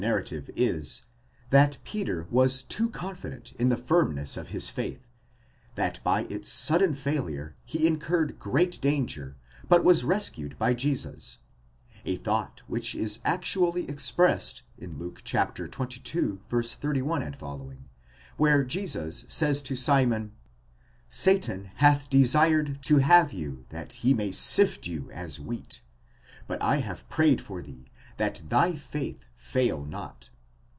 narrative is, that Peter was too confident in the firmness of his faith, that by its sudden failure he incurred great danger, but was rescued by Jesus; a thought which is actually expressed in Luke xxii. 31 f., where Jesus says to Simon: Satan hath desired to have you that he may sift you as wheat; but 7 have prayed for thee that thy faith fail not.